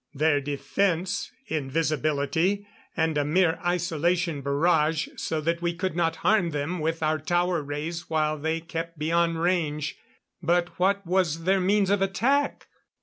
Their defense invisibility, and a mere isolation barrage so that we could not harm them with our tower rays while they kept beyond range. But what was their means of attack?